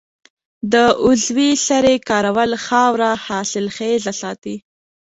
د عضوي سرې کارول خاوره حاصلخیزه ساتي.